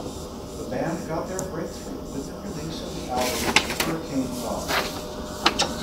The band got their breakthrough with the release of the album "Hurricane Bar".